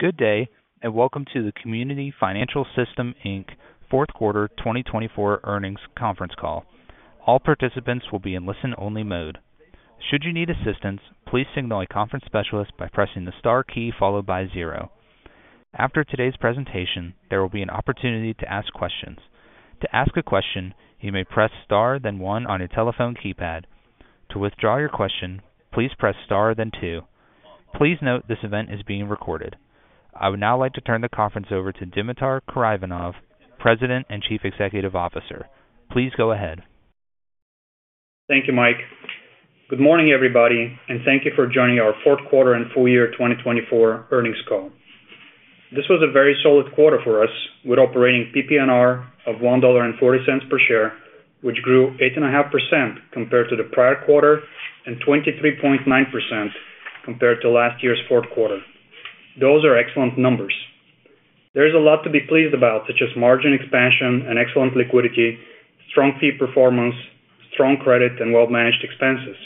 Good day, and welcome to the Community Financial System, Inc. Fourth Quarter 2024 Earnings Conference Call. All participants will be in listen-only mode. Should you need assistance, please signal a conference specialist by pressing the star key followed by zero. After today's presentation, there will be an opportunity to ask questions. To ask a question, you may press star, then one on your telephone keypad. To withdraw your question, please press star, then two. Please note this event is being recorded. I would now like to turn the conference over to Dimitar Karaivanov, President and Chief Executive Officer. Please go ahead. Thank you, Mike. Good morning, everybody, and thank you for joining our fourth quarter and full year 2024 earnings call. This was a very solid quarter for us, with operating PPNR of $1.40 per share, which grew 8.5% compared to the prior quarter and 23.9% compared to last year's fourth quarter. Those are excellent numbers. There is a lot to be pleased about, such as margin expansion and excellent liquidity, strong fee performance, strong credit, and well-managed expenses.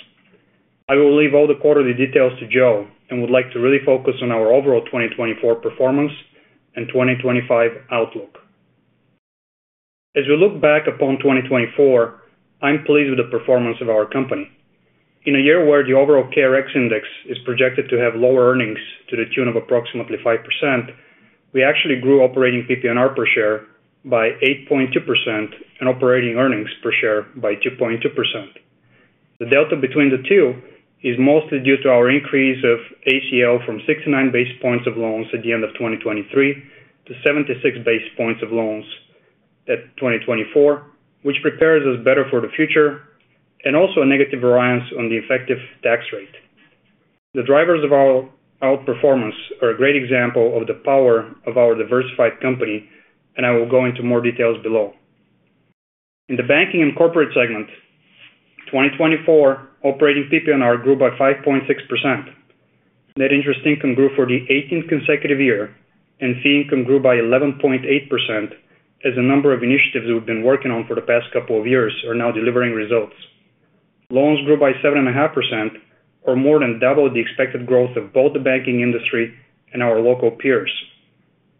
I will leave all the quarterly details to Joe and would like to really focus on our overall 2024 performance and 2025 outlook. As we look back upon 2024, I'm pleased with the performance of our company. In a year where the overall KRX Index is projected to have lower earnings to the tune of approximately five percent, we actually grew operating PPNR per share by 8.2% and operating earnings per share by 2.2%. The delta between the two is mostly due to our increase of ACL from 69 basis points of loans at the end of 2023 to 76 basis points of loans at 2024, which prepares us better for the future and also a negative variance on the effective tax rate. The drivers of our outperformance are a great example of the power of our diversified company, and I will go into more details below. In the banking and corporate segment, 2024 operating PPNR grew by 5.6%. Net interest income grew for the 18th consecutive year, and fee income grew by 11.8% as the number of initiatives we've been working on for the past couple of years are now delivering results. Loans grew by 7.5%, or more than double the expected growth of both the banking industry and our local peers.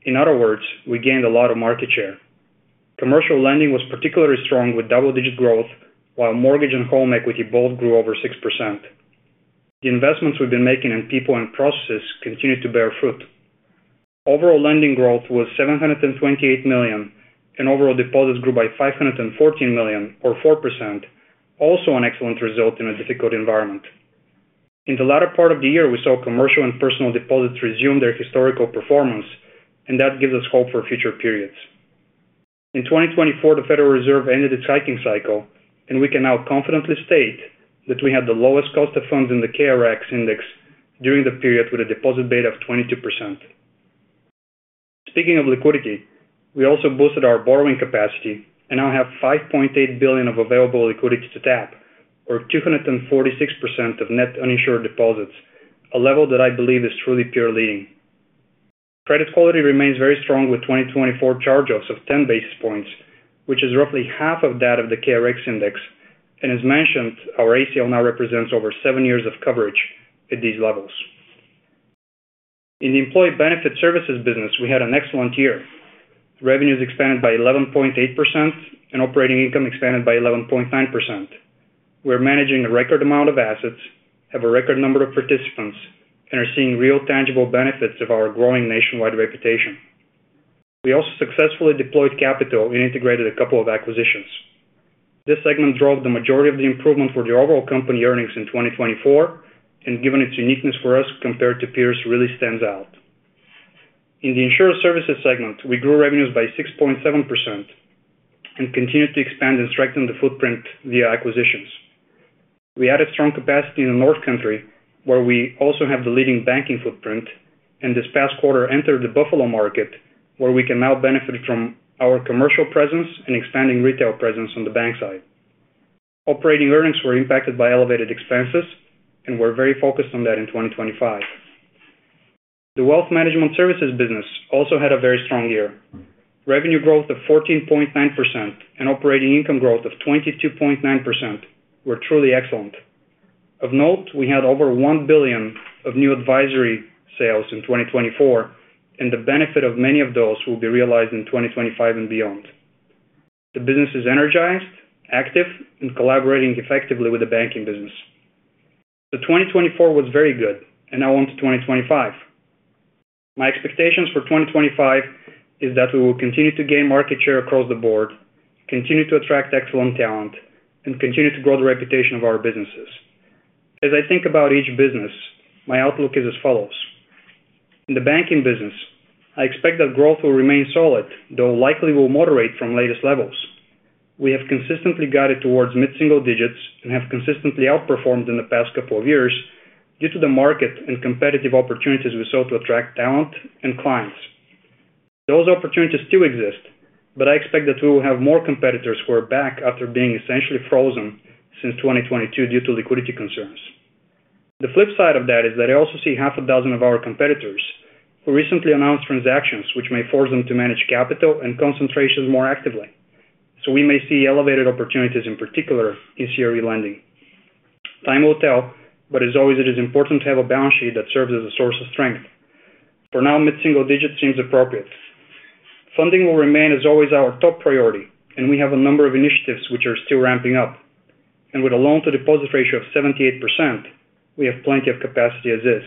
In other words, we gained a lot of market share. Commercial lending was particularly strong, with double-digit growth, while mortgage and home equity both grew over six percent. The investments we've been making in people and processes continued to bear fruit. Overall lending growth was $728 million, and overall deposits grew by $514 million, or four percent, also an excellent result in a difficult environment. In the latter part of the year, we saw commercial and personal deposits resume their historical performance, and that gives us hope for future periods. In 2024, the Federal Reserve ended its hiking cycle, and we can now confidently state that we had the lowest cost of funds in the KRX Index during the period with a deposit beta of 22%. Speaking of liquidity, we also boosted our borrowing capacity and now have $5.8 billion of available liquidity to tap, or 246% of net uninsured deposits, a level that I believe is truly peer-leading. Credit quality remains very strong with 2024 charge-offs of 10 basis points, which is roughly half of that of the KRX Index, and as mentioned, our ACL now represents over seven years of coverage at these levels. In the employee benefit services business, we had an excellent year. Revenues expanded by 11.8% and operating income expanded by 11.9%. We're managing a record amount of assets, have a record number of participants, and are seeing real tangible benefits of our growing nationwide reputation. We also successfully deployed capital and integrated a couple of acquisitions. This segment drove the majority of the improvement for the overall company earnings in 2024, and given its uniqueness for us compared to peers, really stands out. In the insurance services segment, we grew revenues by 6.7% and continued to expand and strengthen the footprint via acquisitions. We had a strong capacity in the North Country, where we also have the leading banking footprint, and this past quarter entered the Buffalo market, where we can now benefit from our commercial presence and expanding retail presence on the bank side. Operating earnings were impacted by elevated expenses, and we're very focused on that in 2025. The wealth management services business also had a very strong year. Revenue growth of 14.9% and operating income growth of 22.9% were truly excellent. Of note, we had over $1 billion of new advisory sales in 2024, and the benefit of many of those will be realized in 2025 and beyond. The business is energized, active, and collaborating effectively with the banking business. So 2024 was very good, and now on to 2025. My expectations for 2025 are that we will continue to gain market share across the board, continue to attract excellent talent, and continue to grow the reputation of our businesses. As I think about each business, my outlook is as follows. In the banking business, I expect that growth will remain solid, though likely will moderate from latest levels. We have consistently guided towards mid-single digits and have consistently outperformed in the past couple of years due to the market and competitive opportunities we saw to attract talent and clients. Those opportunities still exist, but I expect that we will have more competitors who are back after being essentially frozen since 2022 due to liquidity concerns. The flip side of that is that I also see half a dozen of our competitors who recently announced transactions, which may force them to manage capital and concentrations more actively. So we may see elevated opportunities, in particular, in CRE lending. Time will tell, but as always, it is important to have a balance sheet that serves as a source of strength. For now, mid-single digit seems appropriate. Funding will remain, as always, our top priority, and we have a number of initiatives which are still ramping up. And with a loan-to-deposit ratio of 78%, we have plenty of capacity as is.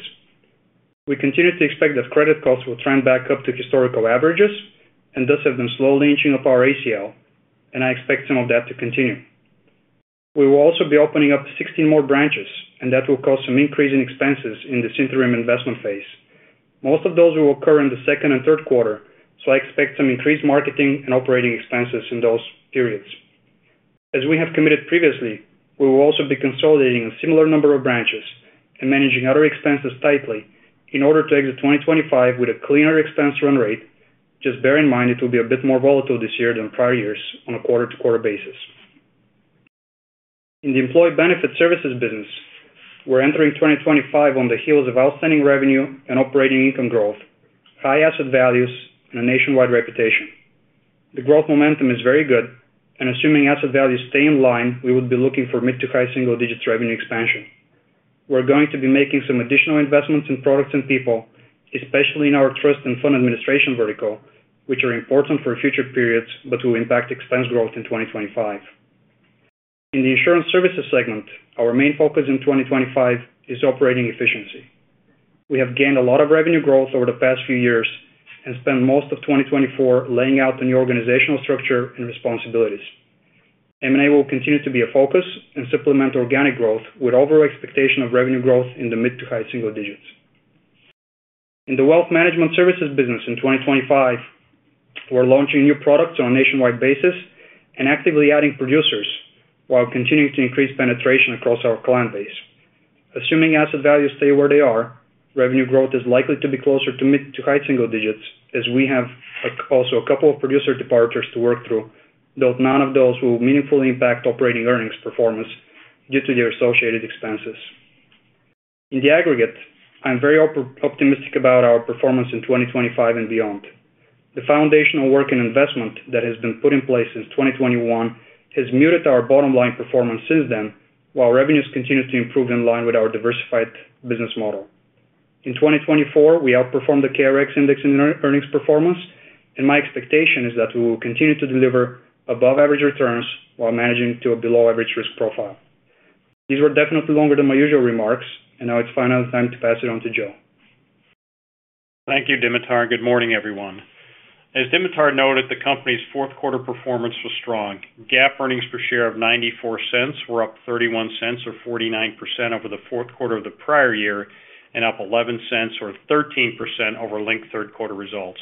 We continue to expect that credit costs will trend back up to historical averages and thus have been slowly inching up our ACL, and I expect some of that to continue. We will also be opening up 16 more branches, and that will cause some increase in expenses in the interim investment phase. Most of those will occur in the second and third quarter, so I expect some increased marketing and operating expenses in those periods. As we have committed previously, we will also be consolidating a similar number of branches and managing other expenses tightly in order to exit 2025 with a cleaner expense run rate. Just bear in mind it will be a bit more volatile this year than prior years on a quarter-to-quarter basis. In the employee benefit services business, we're entering 2025 on the heels of outstanding revenue and operating income growth, high asset values, and a nationwide reputation. The growth momentum is very good, and assuming asset values stay in line, we would be looking for mid-to-high single-digit revenue expansion. We're going to be making some additional investments in products and people, especially in our trust and fund administration vertical, which are important for future periods but will impact expense growth in 2025. In the insurance services segment, our main focus in 2025 is operating efficiency. We have gained a lot of revenue growth over the past few years and spent most of 2024 laying out the new organizational structure and responsibilities. M&A will continue to be a focus and supplement organic growth with overall expectation of revenue growth in the mid-to-high single digits. In the wealth management services business in 2025, we're launching new products on a nationwide basis and actively adding producers while continuing to increase penetration across our client base. Assuming asset values stay where they are, revenue growth is likely to be closer to mid-to-high single digits as we have also a couple of producer departures to work through, though none of those will meaningfully impact operating earnings performance due to their associated expenses. In the aggregate, I'm very optimistic about our performance in 2025 and beyond. The foundational work and investment that has been put in place since 2021 has muted our bottom-line performance since then, while revenues continue to improve in line with our diversified business model. In 2024, we outperformed the KRX Index in earnings performance, and my expectation is that we will continue to deliver above-average returns while managing to a below-average risk profile. These were definitely longer than my usual remarks, and now it's finally time to pass it on to Joe. Thank you, Dimitar. Good morning, everyone. As Dimitar noted, the company's fourth-quarter performance was strong. GAAP earnings per share of $0.94 were up $0.31, or 49%, over the fourth quarter of the prior year and up $0.11, or 13%, over linked third-quarter results.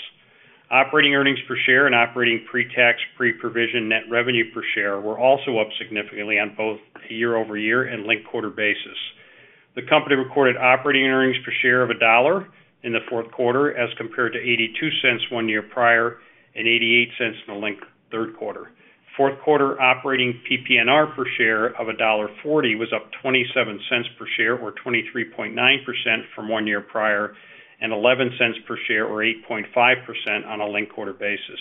Operating earnings per share and operating pre-tax, pre-provision net revenue per share were also up significantly on both a year-over-year and linked quarter basis. The company recorded operating earnings per share of a dollar in the fourth quarter as compared to $0.82 one year prior and $0.88 in the linked third quarter. Fourth quarter operating PPNR per share of $1.40 was up $0.27 per share, or 23.9%, from one year prior, and $0.11 per share, or 8.5%, on a linked quarter basis.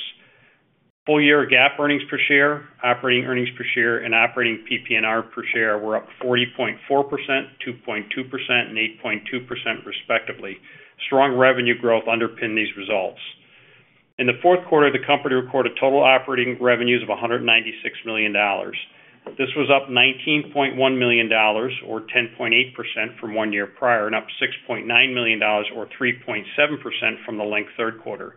Full-year GAAP earnings per share, operating earnings per share, and operating PPNR per share were up 40.4%, 2.2%, and 8.2%, respectively. Strong revenue growth underpinned these results. In the fourth quarter, the company recorded total operating revenues of $196 million. This was up $19.1 million, or 10.8%, from one year prior, and up $6.9 million, or 3.7%, from the linked third quarter.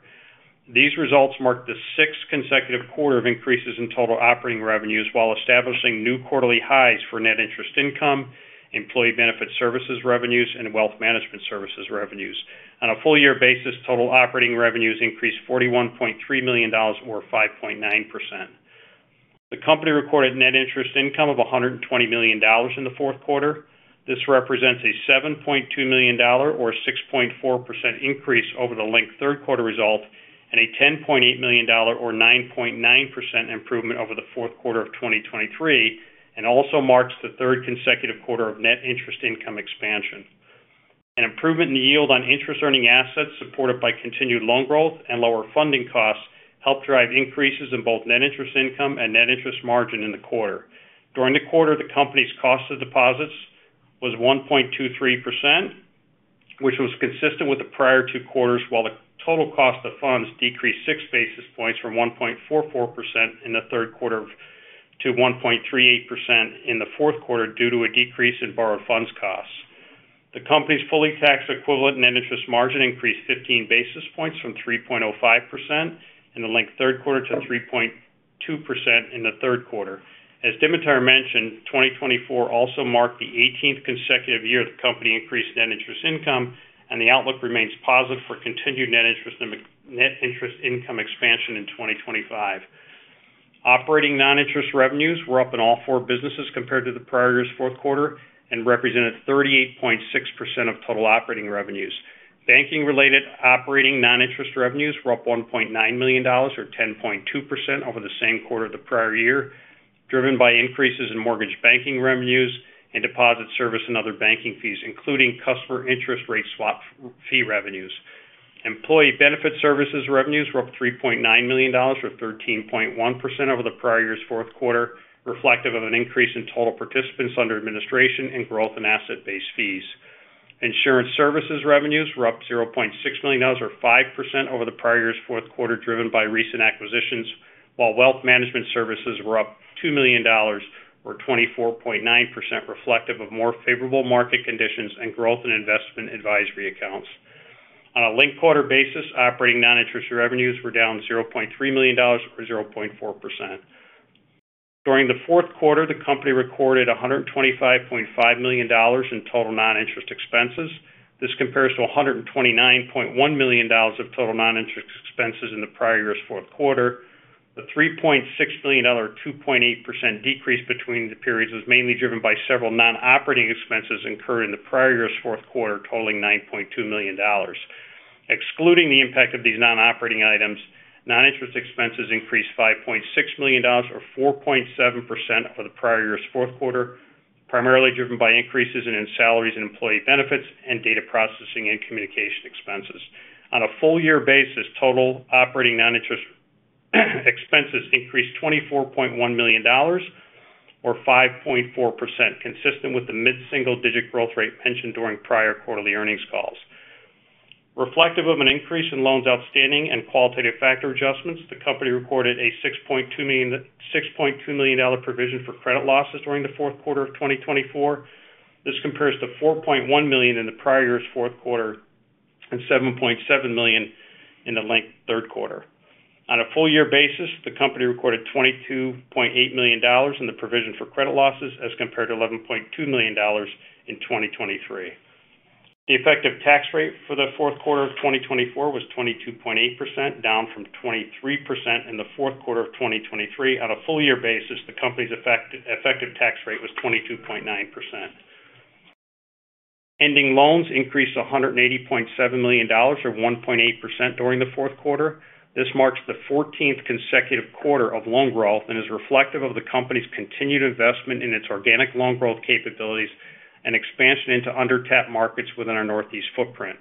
These results marked the sixth consecutive quarter of increases in total operating revenues while establishing new quarterly highs for net interest income, employee benefit services revenues, and wealth management services revenues. On a full-year basis, total operating revenues increased $41.3 million, or 5.9%. The company recorded net interest income of $120 million in the fourth quarter. This represents a $7.2 million, or 6.4%, increase over the linked third quarter result and a $10.8 million, or 9.9%, improvement over the fourth quarter of 2023, and also marks the third consecutive quarter of net interest income expansion. An improvement in the yield on interest-earning assets supported by continued loan growth and lower funding costs helped drive increases in both net interest income and net interest margin in the quarter. During the quarter, the company's cost of deposits was 1.23%, which was consistent with the prior two quarters, while the total cost of funds decreased six basis points from 1.44% in the third quarter to 1.38% in the fourth quarter due to a decrease in borrowed funds costs. The company's fully taxable equivalent net interest margin increased 15 basis points from 3.05% in the linked third quarter to 3.2% in the third quarter. As Dimitar mentioned, 2024 also marked the 18th consecutive year the company increased net interest income, and the outlook remains positive for continued net interest income expansion in 2025. Operating non-interest revenues were up in all four businesses compared to the prior year's fourth quarter and represented 38.6% of total operating revenues. Banking-related operating non-interest revenues were up $1.9 million, or 10.2%, over the same quarter of the prior year, driven by increases in mortgage banking revenues and deposit service and other banking fees, including customer interest rate swap fee revenues. Employee benefit services revenues were up $3.9 million, or 13.1%, over the prior year's fourth quarter, reflective of an increase in total participants under administration and growth in asset-based fees. Insurance services revenues were up $0.6 million, or five percent, over the prior year's fourth quarter, driven by recent acquisitions, while wealth management services were up $2 million, or 24.9%, reflective of more favorable market conditions and growth in investment advisory accounts. On a linked quarter basis, operating non-interest revenues were down $0.3 million, or 0.4%. During the fourth quarter, the company recorded $125.5 million in total non-interest expenses. This compares to $129.1 million of total non-interest expenses in the prior year's fourth quarter. The $3.6 million, or 2.8%, decrease between the periods was mainly driven by several non-operating expenses incurred in the prior year's fourth quarter, totaling $9.2 million. Excluding the impact of these non-operating items, non-interest expenses increased $5.6 million, or 4.7%, over the prior year's fourth quarter, primarily driven by increases in salaries and employee benefits and data processing and communication expenses. On a full-year basis, total operating non-interest expenses increased $24.1 million, or 5.4%, consistent with the mid-single digit growth rate mentioned during prior quarterly earnings calls. Reflective of an increase in loans outstanding and qualitative factor adjustments, the company recorded a $6.2 million provision for credit losses during the fourth quarter of 2024. This compares to $4.1 million in the prior year's fourth quarter and $7.7 million in the linked third quarter. On a full-year basis, the company recorded $22.8 million in the provision for credit losses as compared to $11.2 million in 2023. The effective tax rate for the fourth quarter of 2024 was 22.8%, down from 23% in the fourth quarter of 2023. On a full-year basis, the company's effective tax rate was 22.9%. Ending loans increased $180.7 million, or 1.8%, during the fourth quarter. This marks the 14th consecutive quarter of loan growth and is reflective of the company's continued investment in its organic loan growth capabilities and expansion into undertapped markets within our Northeast footprint.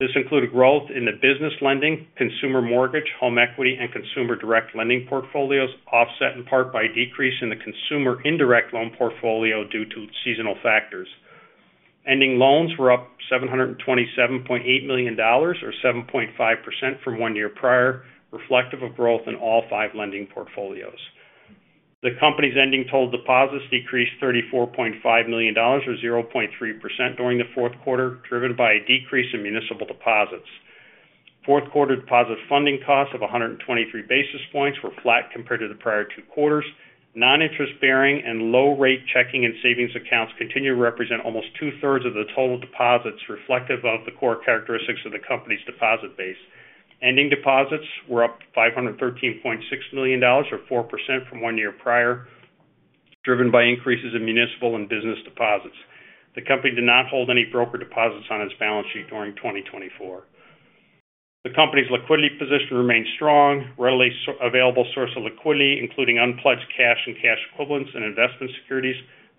This included growth in the business lending, consumer mortgage, home equity, and consumer direct lending portfolios, offset in part by a decrease in the consumer indirect loan portfolio due to seasonal factors. Ending loans were up $727.8 million, or 7.5%, from one year prior, reflective of growth in all five lending portfolios. The company's ending total deposits decreased $34.5 million, or 0.3%, during the fourth quarter, driven by a decrease in municipal deposits. Fourth-quarter deposit funding costs of 123 basis points were flat compared to the prior two quarters. Non-interest-bearing and low-rate checking and savings accounts continue to represent almost two-thirds of the total deposits, reflective of the core characteristics of the company's deposit base. Ending deposits were up $513.6 million, or four percent, from one year prior, driven by increases in municipal and business deposits. The company did not hold any brokered deposits on its balance sheet during 2024. The company's liquidity position remained strong. Readily available source of liquidity, including unpledged cash and cash equivalents and investment securities,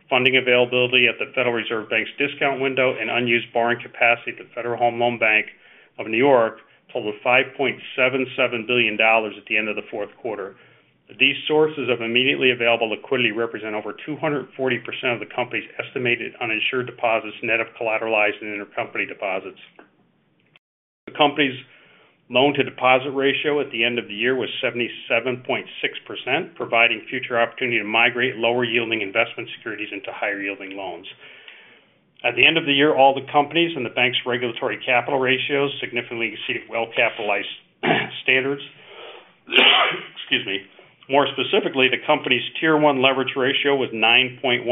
funding availability at the Federal Reserve Bank's discount window, and unused borrowing capacity at the Federal Home Loan Bank of New York totaled $5.77 billion at the end of the fourth quarter. These sources of immediately available liquidity represent over 240% of the company's estimated uninsured deposits net of collateralized and intercompany deposits. The company's loan-to-deposit ratio at the end of the year was 77.6%, providing future opportunity to migrate lower-yielding investment securities into higher-yielding loans. At the end of the year, all the company's and the bank's regulatory capital ratios significantly exceeded well-capitalized standards. Excuse me. More specifically, the company's Tier 1 leverage ratio was 9.19%,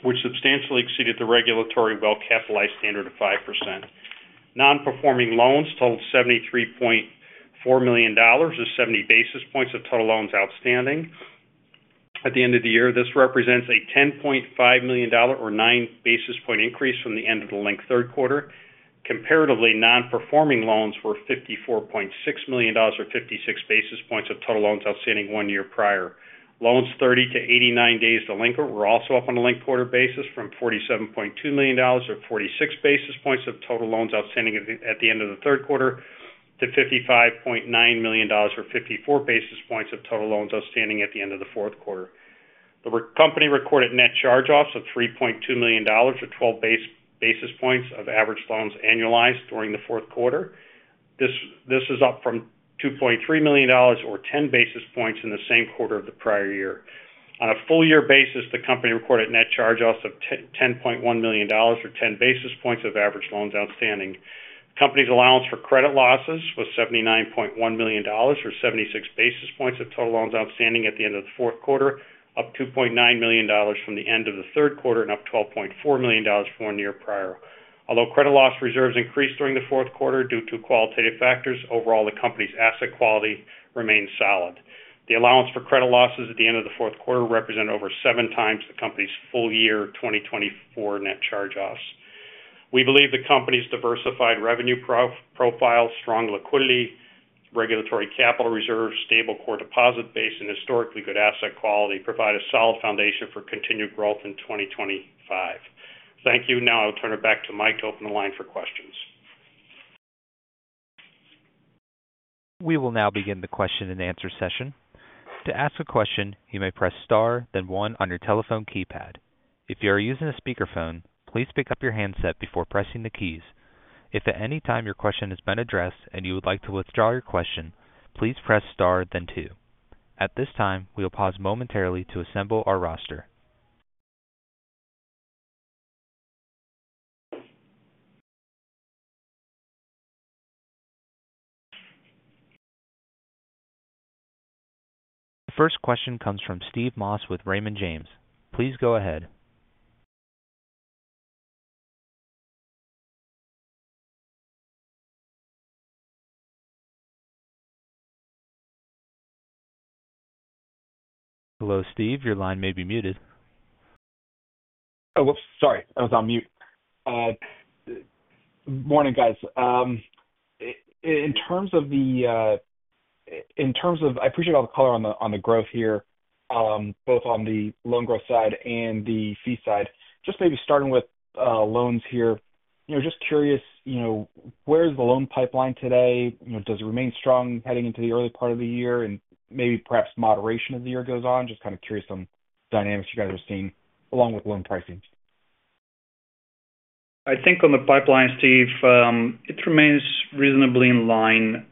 which substantially exceeded the regulatory well-capitalized standard of five percent. Non-performing loans totaled $73.4 million, or 70 basis points, of total loans outstanding. At the end of the year, this represents a $10.5 million, or 9 basis points, increase from the end of the linked third quarter. Comparatively, non-performing loans were $54.6 million, or 56 basis points, of total loans outstanding one year prior. Loans 30-89 days past due were also up on a linked quarter basis from $47.2 million, or 46 basis points, of total loans outstanding at the end of the third quarter, to $55.9 million, or 54 basis points, of total loans outstanding at the end of the fourth quarter. The company recorded net charge-offs of $3.2 million, or 12 basis points, of average loans annualized during the fourth quarter. This is up from $2.3 million, or 10 basis points, in the same quarter of the prior year. On a full-year basis, the company recorded net charge-offs of $10.1 million, or 10 basis points, of average loans outstanding. The company's allowance for credit losses was $79.1 million, or 76 basis points, of total loans outstanding at the end of the fourth quarter, up $2.9 million from the end of the third quarter and up $12.4 million from one year prior. Although credit loss reserves increased during the fourth quarter due to qualitative factors, overall, the company's asset quality remained solid. The allowance for credit losses at the end of the fourth quarter represented over seven times the company's full-year 2024 net charge-offs. We believe the company's diversified revenue profile, strong liquidity, regulatory capital reserves, stable core deposit base, and historically good asset quality provide a solid foundation for continued growth in 2025. Thank you. Now I'll turn it back to Mike to open the line for questions. We will now begin the question-and-answer session. To ask a question, you may press star, then one on your telephone keypad. If you are using a speakerphone, please pick up your handset before pressing the keys. If at any time your question has been addressed and you would like to withdraw your question, please press star, then two. At this time, we will pause momentarily to assemble our roster. The first question comes from Steve Moss with Raymond James. Please go ahead. Hello, Steve. Your line may be muted. Oh, whoops. Sorry. I was on mute. Morning, guys. In terms of the, I appreciate all the color on the growth here, both on the loan growth side and the fee side. Just maybe starting with loans here, just curious, where is the loan pipeline today? Does it remain strong heading into the early part of the year? And maybe, perhaps, moderation as the year goes on? Just kind of curious on dynamics you guys are seeing, along with loan pricing. I think on the pipeline, Steve, it remains reasonably in line.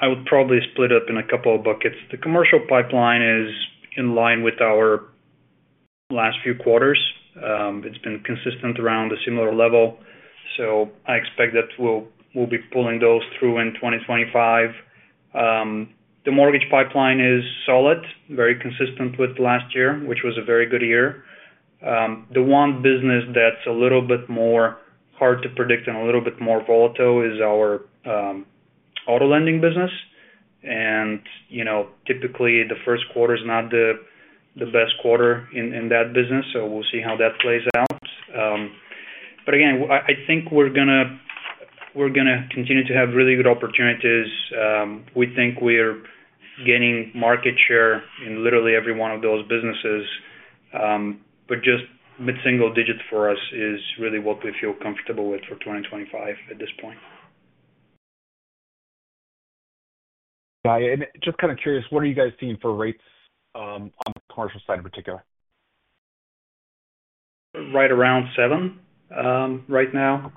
I would probably split it up in a couple of buckets. The commercial pipeline is in line with our last few quarters. It's been consistent around a similar level. So I expect that we'll be pulling those through in 2025. The mortgage pipeline is solid, very consistent with last year, which was a very good year. The one business that's a little bit more hard to predict and a little bit more volatile is our auto lending business. And typically, the first quarter is not the best quarter in that business, so we'll see how that plays out. But again, I think we're going to continue to have really good opportunities. We think we're gaining market share in literally every one of those businesses. But just mid-single digit for us is really what we feel comfortable with for 2025 at this point. Got it. And just kind of curious, what are you guys seeing for rates on the commercial side in particular? Right around seven right now.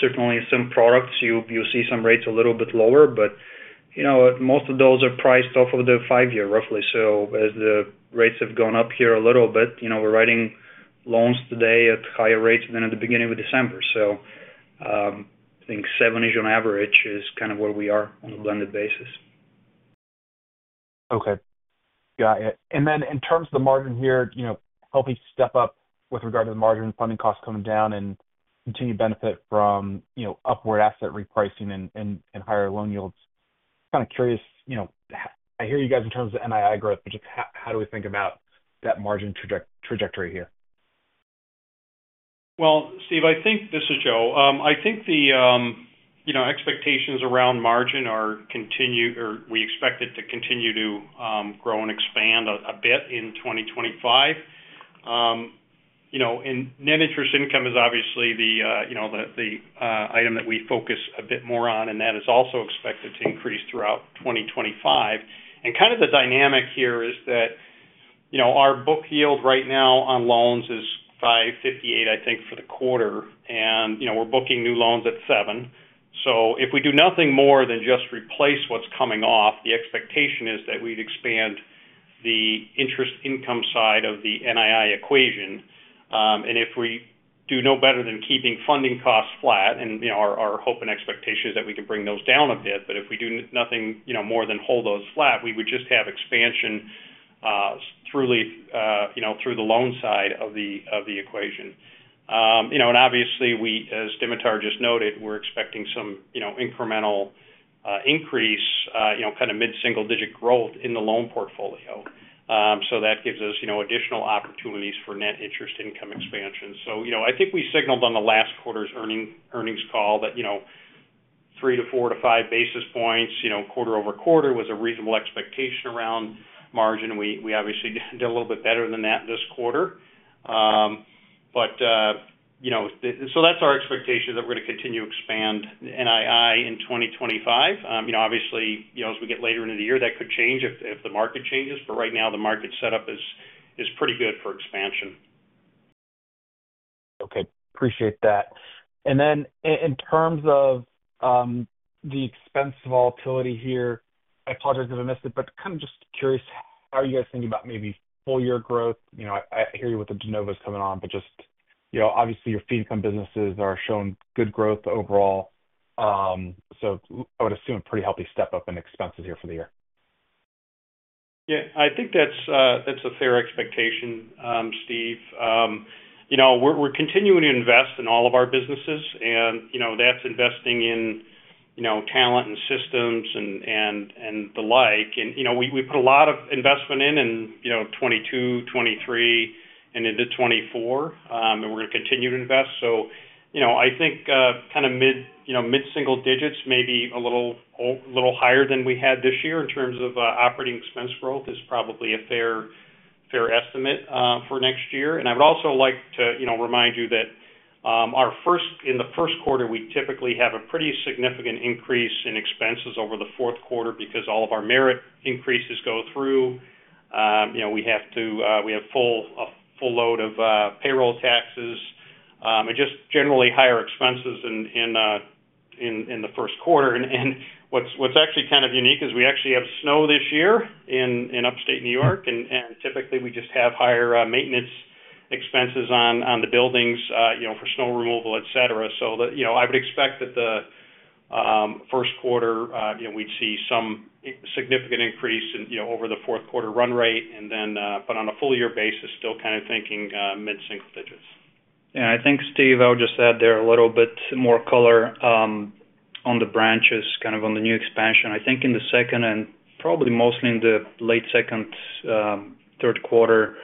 Certainly, some products, you'll see some rates a little bit lower, but most of those are priced off of the five-year, roughly. So as the rates have gone up here a little bit, we're writing loans today at higher rates than at the beginning of December. So I think seven-ish on average is kind of where we are on a blended basis. Okay. Got it. And then in terms of the margin here, helping step up with regard to the margin funding costs coming down and continued benefit from upward asset repricing and higher loan yields. Kind of curious, I hear you guys in terms of NII growth, but just how do we think about that margin trajectory here? Steve, I think. This is Joe. I think the expectations around margin are continued or we expect it to continue to grow and expand a bit in 2025. Net interest income is obviously the item that we focus a bit more on, and that is also expected to increase throughout 2025. Kind of the dynamic here is that our book yield right now on loans is 5.58, I think, for the quarter. We're booking new loans at seven. If we do nothing more than just replace what's coming off, the expectation is that we'd expand the interest income side of the NII equation. And if we do no better than keeping funding costs flat, and our hope and expectation is that we can bring those down a bit, but if we do nothing more than hold those flat, we would just have expansion through the loan side of the equation. And obviously, as Dimitar just noted, we're expecting some incremental increase, kind of mid-single digit growth in the loan portfolio. So that gives us additional opportunities for net interest income expansion. So I think we signaled on the last quarter's earnings call that three to four to five basis points quarter-over-quarter was a reasonable expectation around margin. We obviously did a little bit better than that this quarter. But so that's our expectation that we're going to continue to expand NII in 2025. Obviously, as we get later into the year, that could change if the market changes. But right now, the market setup is pretty good for expansion. Okay. Appreciate that. And then in terms of the expense volatility here, I apologize if I missed it, but kind of just curious, how are you guys thinking about maybe full-year growth? I hear you with the de novos coming on, but just obviously, your fee-income businesses are showing good growth overall. So I would assume a pretty healthy step-up in expenses here for the year. Yeah. I think that's a fair expectation, Steve. We're continuing to invest in all of our businesses, and that's investing in talent and systems and the like. And we put a lot of investment in in 2022, 2023, and into 2024, and we're going to continue to invest. So I think kind of mid-single digits, maybe a little higher than we had this year in terms of operating expense growth, is probably a fair estimate for next year. And I would also like to remind you that in the first quarter, we typically have a pretty significant increase in expenses over the fourth quarter because all of our merit increases go through. We have a full load of payroll taxes and just generally higher expenses in the first quarter. And what's actually kind of unique is we actually have snow this year in Upstate New York, and typically, we just have higher maintenance expenses on the buildings for snow removal, etc. So I would expect that the first quarter, we'd see some significant increase over the fourth quarter run rate. And then, but on a full-year basis, still kind of thinking mid-single digits. Yeah. I think, Steve, I'll just add there a little bit more color on the branches, kind of on the new expansion. I think in the second and probably mostly in the late second, third quarter,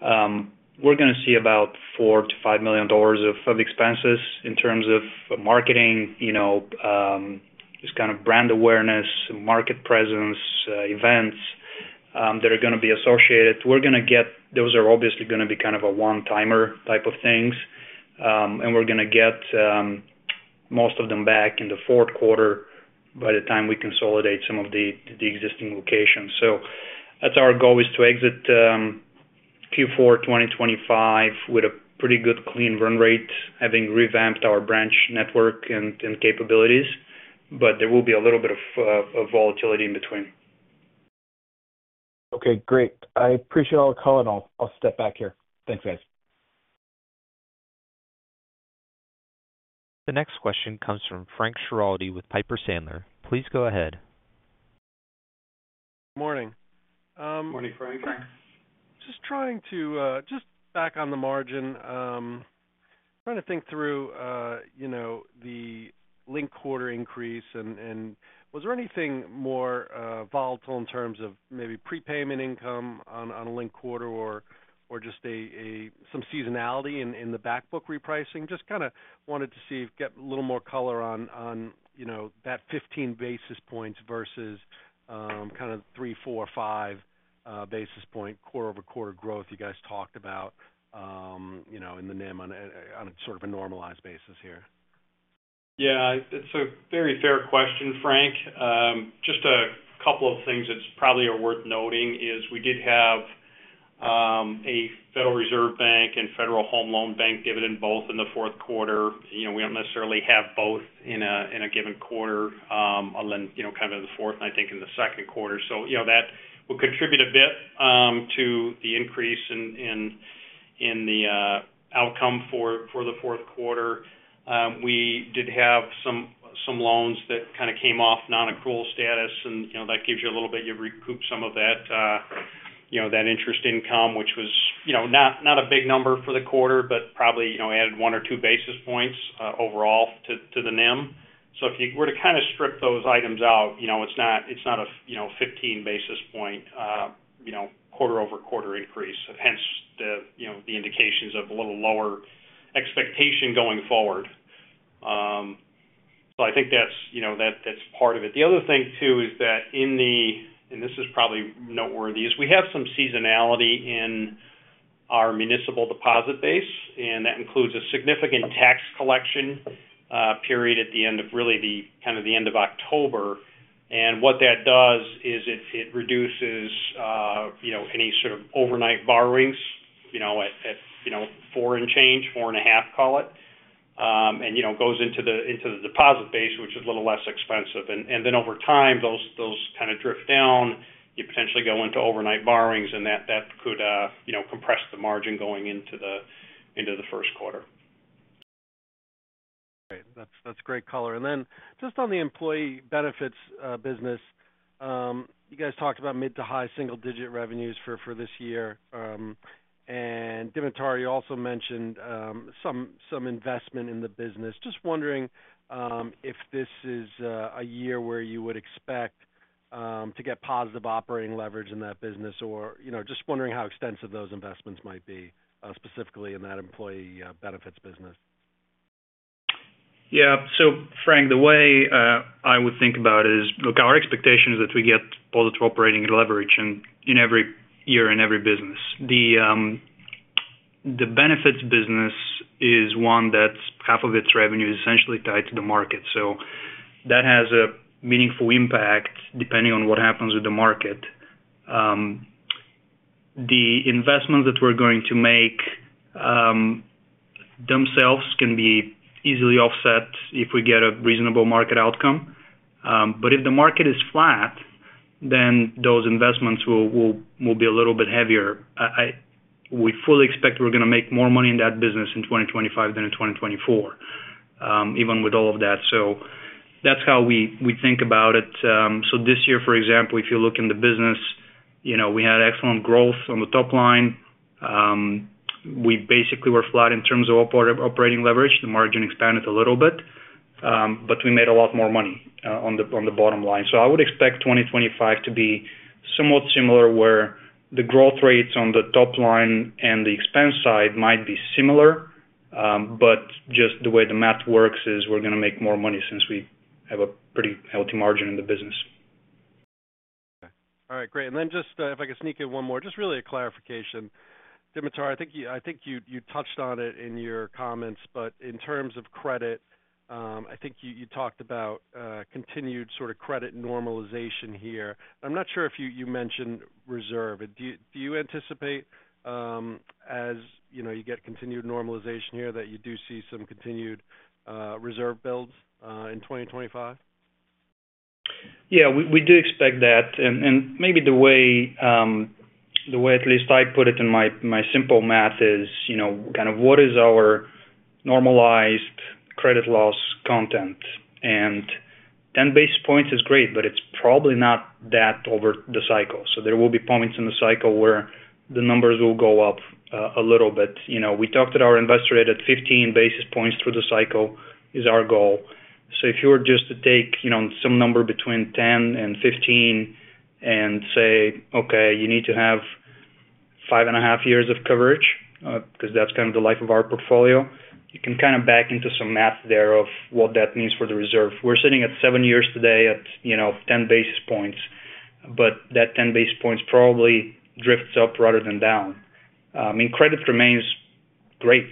we're going to see about $4 million-$5 million of expenses in terms of marketing, just kind of brand awareness, market presence, events that are going to be associated. We're going to get those are obviously going to be kind of a one-timer type of things, and we're going to get most of them back in the fourth quarter by the time we consolidate some of the existing locations. So that's our goal, is to exit Q4 2025 with a pretty good clean run rate, having revamped our branch network and capabilities, but there will be a little bit of volatility in between. Okay. Great. I appreciate all the color, and I'll step back here. Thanks, guys. The next question comes from Frank Schiraldi with Piper Sandler. Please go ahead. Good morning. Morning, Frank. Just back on the margin, trying to think through the linked quarter increase, and was there anything more volatile in terms of maybe prepayment income on a linked quarter or just some seasonality in the back book repricing? Just kind of wanted to see, get a little more color on that 15 basis points versus kind of three, four, five basis point quarter over quarter growth you guys talked about in the NIM on sort of a normalized basis here. Yeah. It's a very fair question, Frank. Just a couple of things that probably are worth noting is we did have a Federal Reserve Bank and Federal Home Loan Bank dividend both in the fourth quarter. We don't necessarily have both in a given quarter, other than kind of in the fourth and I think in the second quarter. So that will contribute a bit to the increase in the outcome for the fourth quarter. We did have some loans that kind of came off non-accrual status, and that gives you a little bit you recoup some of that interest income, which was not a big number for the quarter, but probably added one or two basis points overall to the NIM. So if you were to kind of strip those items out, it's not a 15 basis point quarter-over-quarter increase, hence the indications of a little lower expectation going forward. So I think that's part of it. The other thing too is that, and this is probably noteworthy, we have some seasonality in our municipal deposit base, and that includes a significant tax collection period at the end of really kind of the end of October. What that does is it reduces any sort of overnight borrowings at four and change, four and a half, call it, and goes into the deposit base, which is a little less expensive. Then over time, those kind of drift down, you potentially go into overnight borrowings, and that could compress the margin going into the first quarter. Great. That's great color. And then just on the employee benefits business, you guys talked about mid- to high single-digit revenues for this year. And Dimitar, you also mentioned some investment in the business. Just wondering if this is a year where you would expect to get positive operating leverage in that business, or just wondering how extensive those investments might be, specifically in that employee benefits business. Yeah. So Frank, the way I would think about it is, look, our expectation is that we get positive operating leverage in every year in every business. The benefits business is one that half of its revenue is essentially tied to the market. So that has a meaningful impact depending on what happens with the market. The investments that we're going to make themselves can be easily offset if we get a reasonable market outcome. But if the market is flat, then those investments will be a little bit heavier. We fully expect we're going to make more money in that business in 2025 than in 2024, even with all of that. So that's how we think about it. So this year, for example, if you look in the business, we had excellent growth on the top line. We basically were flat in terms of operating leverage. The margin expanded a little bit, but we made a lot more money on the bottom line. So I would expect 2025 to be somewhat similar where the growth rates on the top line and the expense side might be similar, but just the way the math works is we're going to make more money since we have a pretty healthy margin in the business. Okay. All right. Great. And then just if I could sneak in one more, just really a clarification. Dimitar, I think you touched on it in your comments, but in terms of credit, I think you talked about continued sort of credit normalization here. I'm not sure if you mentioned reserve. Do you anticipate, as you get continued normalization here, that you do see some continued reserve builds in 2025? Yeah. We do expect that. And maybe the way at least I put it in my simple math is kind of what is our normalized credit loss content? And 10 basis points is great, but it's probably not that over the cycle. So there will be points in the cycle where the numbers will go up a little bit. We talked to our investor at 15 basis points through the cycle is our goal. So if you were just to take some number between 10 and 15 and say, "Okay, you need to have five and a half years of coverage," because that's kind of the life of our portfolio, you can kind of back into some math there of what that means for the reserve. We're sitting at seven years today at 10 basis points, but that 10 basis points probably drifts up rather than down. I mean, credit remains great.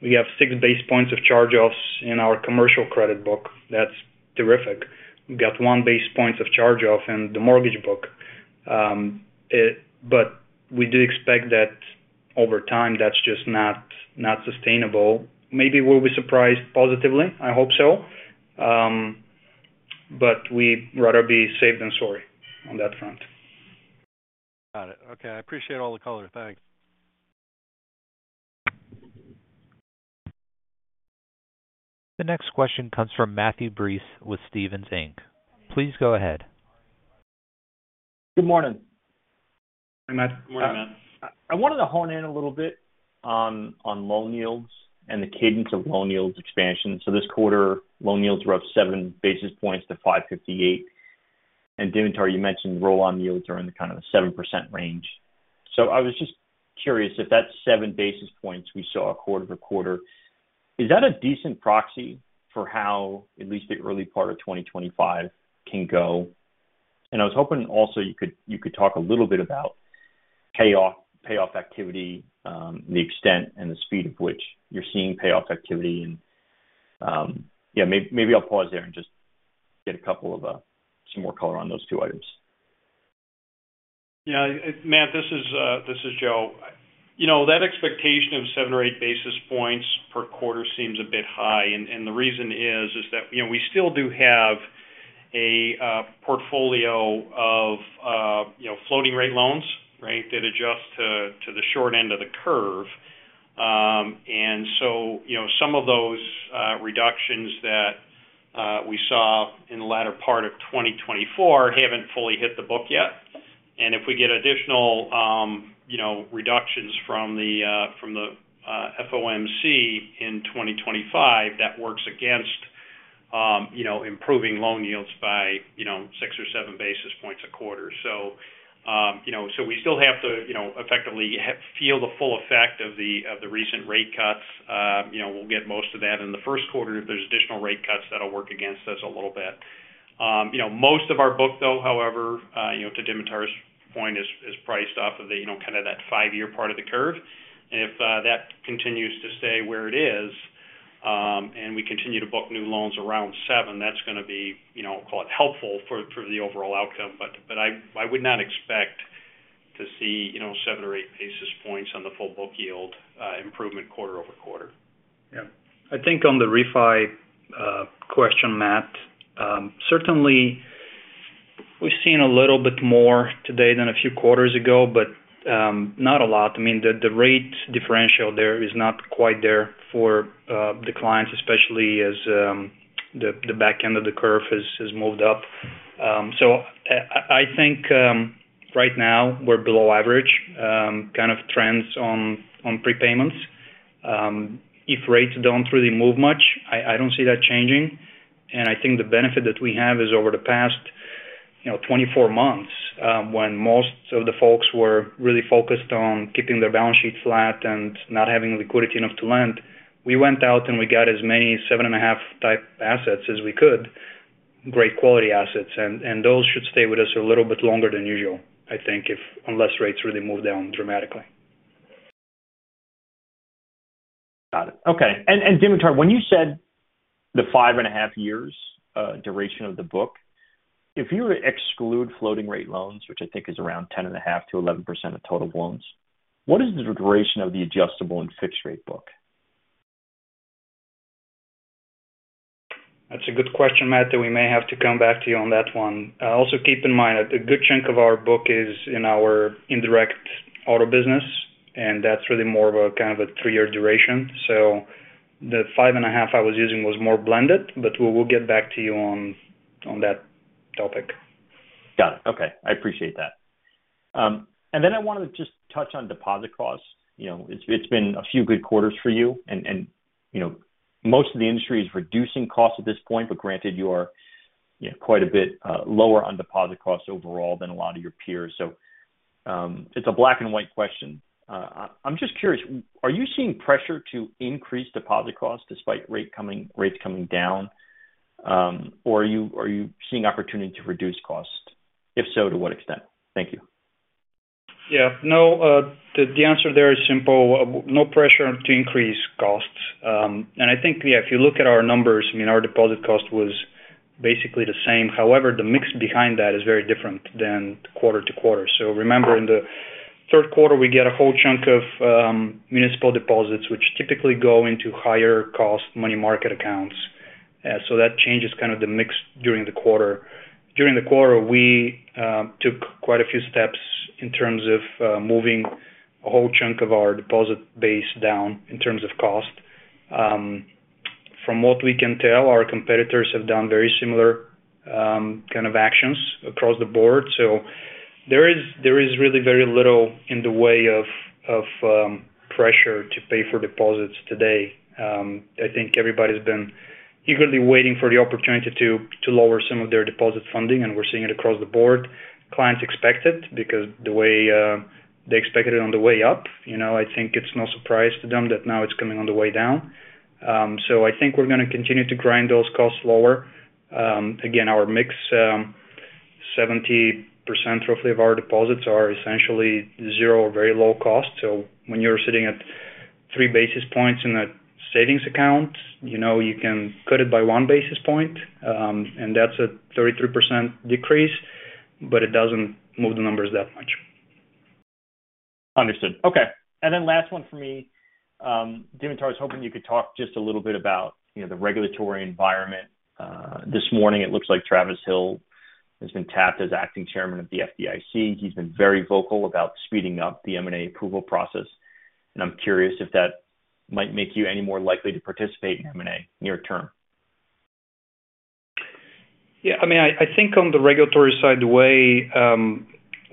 We have six basis points of charge-offs in our commercial credit book. That's terrific. We've got one basis point of charge-offs in the mortgage book. But we do expect that over time, that's just not sustainable. Maybe we'll be surprised positively. I hope so. But we'd rather be safe than sorry on that front. Got it. Okay. I appreciate all the color. Thanks. The next question comes from Matthew Breese with Stephens Inc. Please go ahead. Good morning. Hi, Matt. Good morning, Matt. I wanted to hone in a little bit on loan yields and the cadence of loan yields expansion. So this quarter, loan yields were up seven basis points to 5.58. And Dimitar, you mentioned roll-on yields are in kind of a seven percent range. So I was just curious if that's seven basis points we saw quarter-to-quarter, is that a decent proxy for how at least the early part of 2025 can go? And I was hoping also you could talk a little bit about payoff activity, the extent and the speed of which you're seeing payoff activity. And yeah, maybe I'll pause there and just get a couple of some more color on those two items. Yeah. Matt, this is Joe. That expectation of seven or eight basis points per quarter seems a bit high, and the reason is that we still do have a portfolio of floating-rate loans, right, that adjust to the short end of the curve. And so some of those reductions that we saw in the latter part of 2024 haven't fully hit the book yet. And if we get additional reductions from the FOMC in 2025, that works against improving loan yields by six or seven basis points a quarter. So we still have to effectively feel the full effect of the recent rate cuts. We'll get most of that in the first quarter. If there's additional rate cuts, that'll work against us a little bit. Most of our book, though, however, to Dimitar's point, is priced off of kind of that five-year part of the curve. If that continues to stay where it is and we continue to book new loans around seven, that's going to be, I'll call it helpful for the overall outcome. But I would not expect to see seven or eight basis points on the full book yield improvement quarter-over-quarter. Yeah. I think on the refi question, Matt, certainly we've seen a little bit more today than a few quarters ago, but not a lot. I mean, the rate differential there is not quite there for the clients, especially as the back end of the curve has moved up. So I think right now we're below average kind of trends on prepayments. If rates don't really move much, I don't see that changing. And I think the benefit that we have is over the past 24 months when most of the folks were really focused on keeping their balance sheet flat and not having liquidity enough to lend, we went out and we got as many seven and a half type assets as we could, great quality assets. And those should stay with us a little bit longer than usual, I think, unless rates really move down dramatically. Got it. Okay. And Dimitar, when you said the five and a half years duration of the book, if you exclude floating-rate loans, which I think is around 10.5%-11% of total loans, what is the duration of the adjustable and fixed-rate book? That's a good question, Matt. We may have to come back to you on that one. Also keep in mind that a good chunk of our book is in our indirect auto business, and that's really more of a kind of a three-year duration. So the five and a half I was using was more blended, but we will get back to you on that topic. Got it. Okay. I appreciate that. And then I wanted to just touch on deposit costs. It's been a few good quarters for you, and most of the industry is reducing costs at this point, but granted, you are quite a bit lower on deposit costs overall than a lot of your peers. So it's a black and white question. I'm just curious, are you seeing pressure to increase deposit costs despite rates coming down, or are you seeing opportunity to reduce costs? If so, to what extent? Thank you. Yeah. No, the answer there is simple. No pressure to increase costs. And I think, yeah, if you look at our numbers, I mean, our deposit cost was basically the same. However, the mix behind that is very different than quarter to quarter. So remember, in the third quarter, we get a whole chunk of municipal deposits, which typically go into higher-cost money market accounts. So that changes kind of the mix during the quarter. During the quarter, we took quite a few steps in terms of moving a whole chunk of our deposit base down in terms of cost. From what we can tell, our competitors have done very similar kind of actions across the board. So there is really very little in the way of pressure to pay for deposits today. I think everybody's been eagerly waiting for the opportunity to lower some of their deposit funding, and we're seeing it across the board. Clients expect it because the way they expected it on the way up. I think it's no surprise to them that now it's coming on the way down. So I think we're going to continue to grind those costs lower. Again, our mix is 70% roughly of our deposits are essentially zero or very low cost. So when you're sitting at three basis points in a savings account, you can cut it by one basis point, and that's a 33% decrease, but it doesn't move the numbers that much. Understood. Okay. And then last one for me, Dimitar, I was hoping you could talk just a little bit about the regulatory environment. This morning, it looks like Travis Hill has been tapped as Acting Chairman of the FDIC. He's been very vocal about speeding up the M&A approval process. And I'm curious if that might make you any more likely to participate in M&A near term. Yeah. I mean, I think on the regulatory side, the way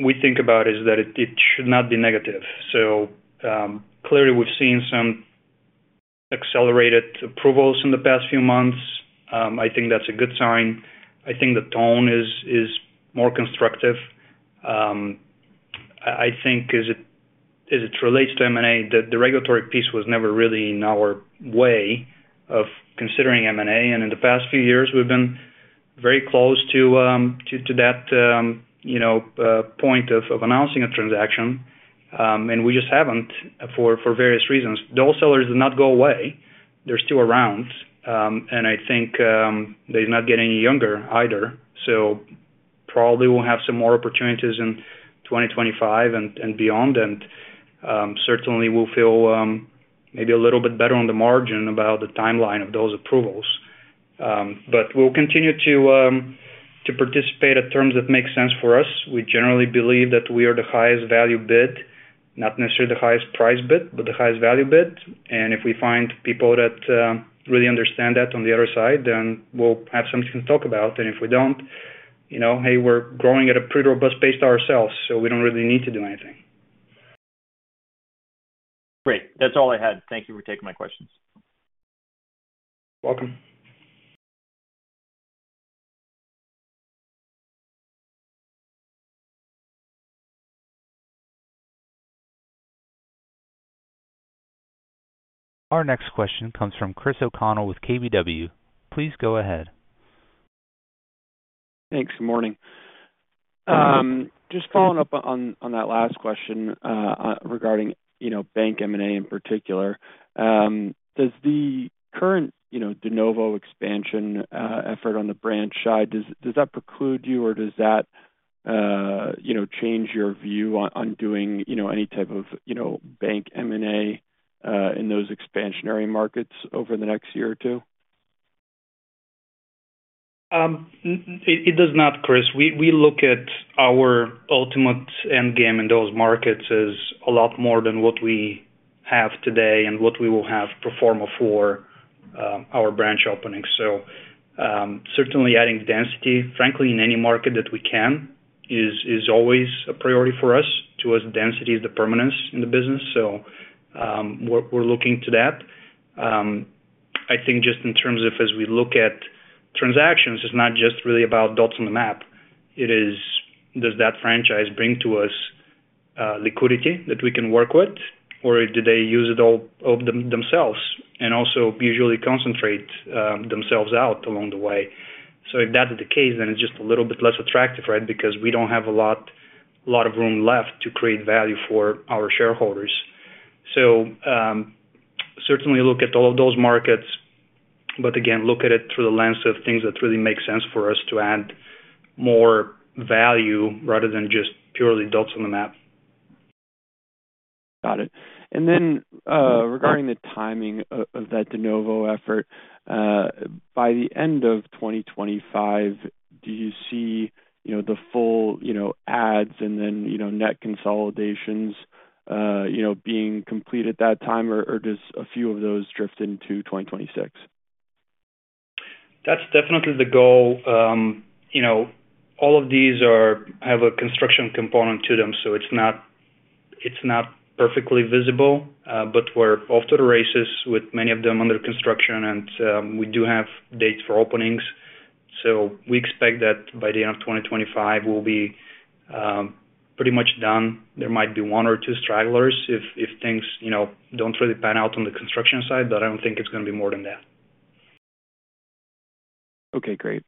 we think about it is that it should not be negative. So clearly, we've seen some accelerated approvals in the past few months. I think that's a good sign. I think the tone is more constructive. I think as it relates to M&A, the regulatory piece was never really in our way of considering M&A. And in the past few years, we've been very close to that point of announcing a transaction, and we just haven't for various reasons. Those sellers did not go away. They're still around. And I think they're not getting any younger either. So probably we'll have some more opportunities in 2025 and beyond. And certainly, we'll feel maybe a little bit better on the margin about the timeline of those approvals. But we'll continue to participate at terms that make sense for us. We generally believe that we are the highest value bid, not necessarily the highest price bid, but the highest value bid. And if we find people that really understand that on the other side, then we'll have something to talk about. And if we don't, hey, we're growing at a pretty robust pace to ourselves, so we don't really need to do anything. Great. That's all I had. Thank you for taking my questions. You're welcome. Our next question comes from Chris O'Connell with KBW. Please go ahead. Thanks. Good morning. Just following up on that last question regarding bank M&A in particular, does the current de novo expansion effort on the branch side, does that preclude you or does that change your view on doing any type of bank M&A in those expansionary markets over the next year or two? It does not, Chris. We look at our ultimate end game in those markets as a lot more than what we have today and what we will have to perform for our branch openings. So certainly adding density, frankly, in any market that we can is always a priority for us. To us, density is the permanence in the business. So we're looking to that. I think just in terms of as we look at transactions, it's not just really about dots on the map. It is, does that franchise bring to us liquidity that we can work with, or do they use it all themselves and also usually concentrate themselves out along the way? So if that's the case, then it's just a little bit less attractive, right, because we don't have a lot of room left to create value for our shareholders. So certainly look at all of those markets, but again, look at it through the lens of things that really make sense for us to add more value rather than just purely dots on the map. Got it. And then regarding the timing of that de novo effort, by the end of 2025, do you see the full adds and then net consolidations being complete at that time, or do a few of those drift into 2026? That's definitely the goal. All of these have a construction component to them, so it's not perfectly visible. But we're off to the races with many of them under construction, and we do have dates for openings. So we expect that by the end of 2025, we'll be pretty much done. There might be one or two stragglers if things don't really pan out on the construction side, but I don't think it's going to be more than that. Okay. Great.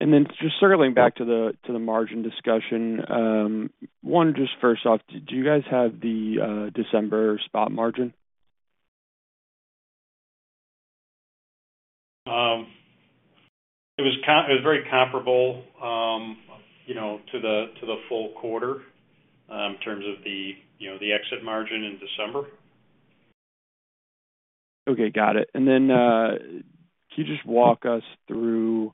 And then just circling back to the margin discussion, one just first off, do you guys have the December spot margin? It was very comparable to the full quarter in terms of the exit margin in December. Okay. Got it. And then can you just walk us through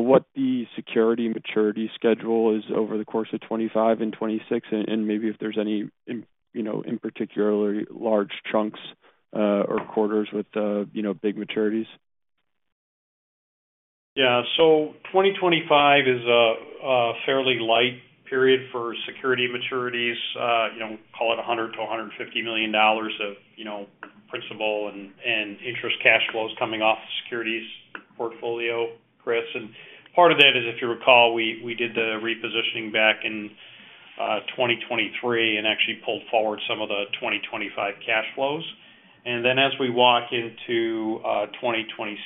what the security maturity schedule is over the course of 2025 and 2026, and maybe if there's any in particular large chunks or quarters with big maturities? Yeah. So 2025 is a fairly light period for security maturities. Call it $100 million-$150 million of principal and interest cash flows coming off the securities portfolio, Chris. And part of that is, if you recall, we did the repositioning back in 2023 and actually pulled forward some of the 2025 cash flows. And then as we walk into 2026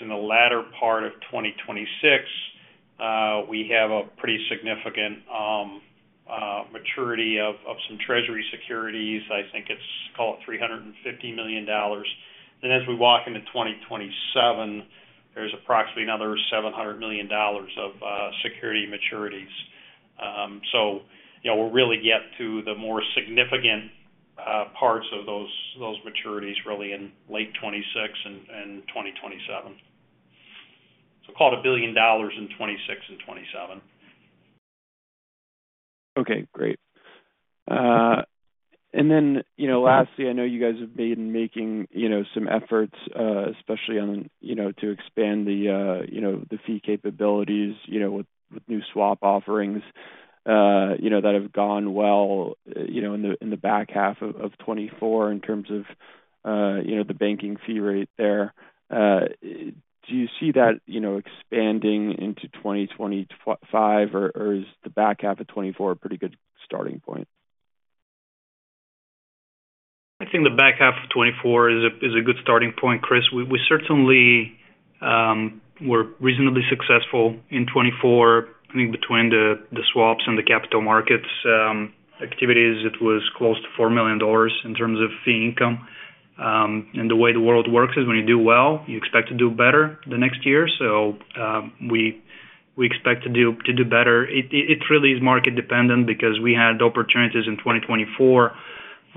and the latter part of 2026, we have a pretty significant maturity of some treasury securities. I think it's call it $350 million. Then as we walk into 2027, there's approximately another $700 million of security maturities. So we'll really get to the more significant parts of those maturities really in late 2026 and 2027. So call it a billion dollar in 2026 and 2027. Okay. Great. And then lastly, I know you guys have been making some efforts, especially to expand the fee capabilities with new swap offerings that have gone well in the back half of 2024 in terms of the banking fee rate there. Do you see that expanding into 2025, or is the back half of 2024 a pretty good starting point? I think the back half of 2024 is a good starting point, Chris. We certainly were reasonably successful in 2024. I think between the swaps and the capital markets activities, it was close to $4 million in terms of fee income. And the way the world works is when you do well, you expect to do better the next year. So we expect to do better. It really is market dependent because we had opportunities in 2024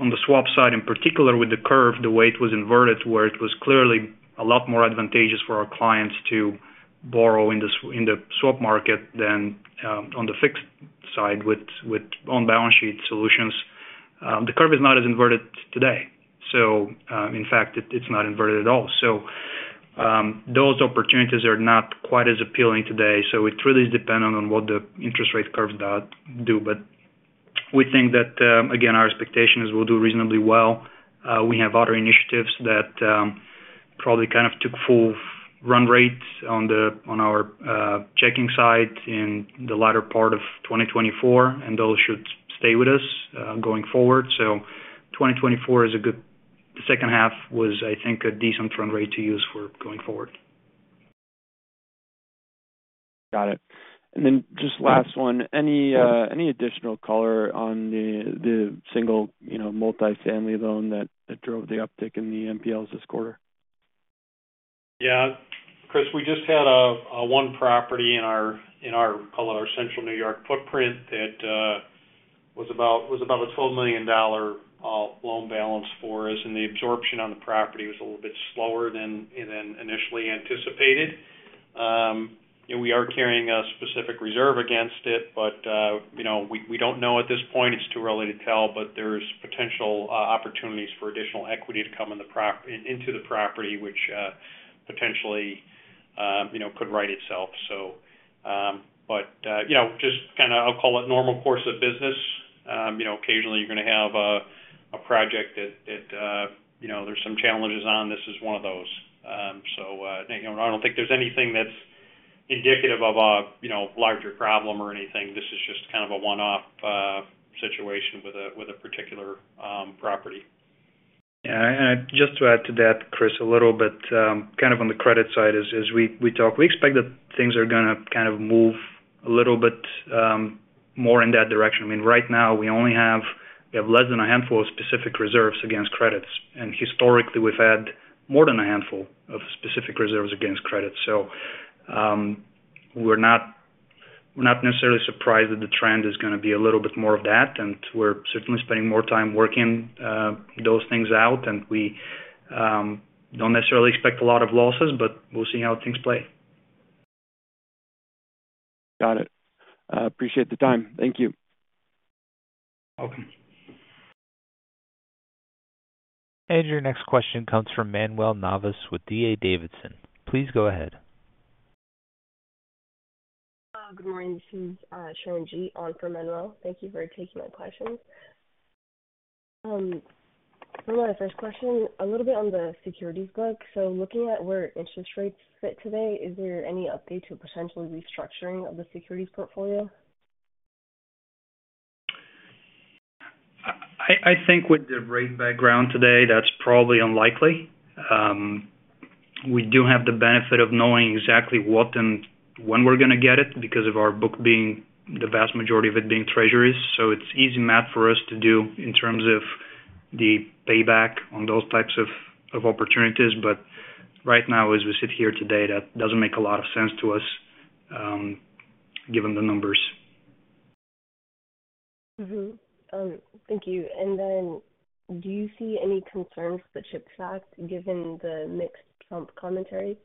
on the swap side in particular with the curve, the way it was inverted, where it was clearly a lot more advantageous for our clients to borrow in the swap market than on the fixed side with on-balance sheet solutions. The curve is not as inverted today. So in fact, it's not inverted at all. So those opportunities are not quite as appealing today. So it really is dependent on what the interest rate curve does. But we think that, again, our expectation is we'll do reasonably well. We have other initiatives that probably kind of took full run rates on our checking side in the latter part of 2024, and those should stay with us going forward. So 2024 is a good second half was, I think, a decent run rate to use for going forward. Got it. And then just last one, any additional color on the single multifamily loan that drove the uptick in the NPLs this quarter? Yeah. Chris, we just had one property in our call it our Central New York footprint that was about a $12 million loan balance for us, and the absorption on the property was a little bit slower than initially anticipated. We are carrying a specific reserve against it, but we don't know at this point. It's too early to tell, but there's potential opportunities for additional equity to come into the property, which potentially could right itself. But just kind of I'll call it normal course of business. Occasionally, you're going to have a project that there's some challenges on. This is one of those. So I don't think there's anything that's indicative of a larger problem or anything. This is just kind of a one-off situation with a particular property. Yeah, and just to add to that, Chris, a little bit kind of on the credit side as we talk, we expect that things are going to kind of move a little bit more in that direction. I mean, right now, we have less than a handful of specific reserves against credits. And historically, we've had more than a handful of specific reserves against credits. We're not necessarily surprised that the trend is going to be a little bit more of that. And we're certainly spending more time working those things out. And we don't necessarily expect a lot of losses, but we'll see how things play. Got it. Appreciate the time. Thank you. Welcome. And your next question comes from Manuel Navas with D.A. Davidson. Please go ahead. Good morning. This is Sharon Gee on for Manuel. Thank you for taking my questions. For my first question, a little bit on the securities book. So looking at where interest rates fit today, is there any update to potentially restructuring of the securities portfolio? I think with the rate background today, that's probably unlikely. We do have the benefit of knowing exactly what and when we're going to get it because of our book being the vast majority of it being treasuries. So it's an easy math for us to do in terms of the payback on those types of opportunities. But right now, as we sit here today, that doesn't make a lot of sense to us given the numbers. Thank you. And then do you see any concerns with the chip stocks given the mixed Trump commentary?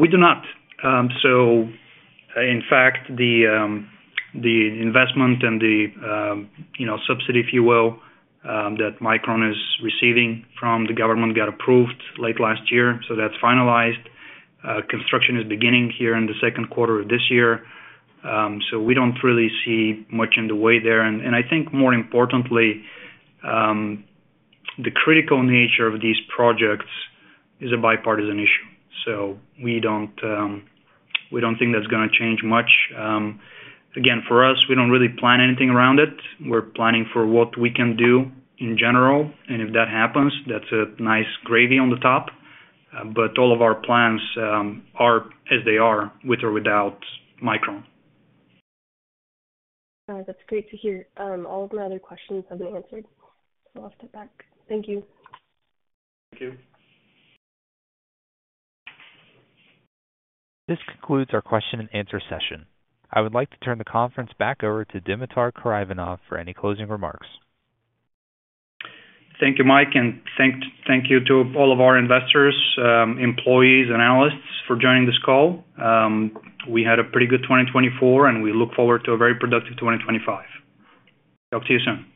We do not. So in fact, the investment and the subsidy, if you will, that Micron is receiving from the government got approved late last year. So that's finalized. Construction is beginning here in the second quarter of this year. So we don't really see much in the way there. And I think more importantly, the critical nature of these projects is a bipartisan issue. So we don't think that's going to change much. Again, for us, we don't really plan anything around it. We're planning for what we can do in general. And if that happens, that's a nice gravy on the top. But all of our plans are as they are with or without Micron. That's great to hear. All of my other questions have been answered. So I'll step back. Thank you. Thank you. This concludes our question and answer session. I would like to turn the conference back over to Dimitar Karaivanov for any closing remarks. Thank you, Mike. And thank you to all of our investors, employees, and analysts for joining this call. We had a pretty good 2024, and we look forward to a very productive 2025. Talk to you soon.